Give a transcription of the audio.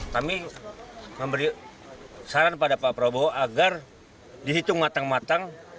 kami memberi saran pada pak prabowo agar dihitung matang matang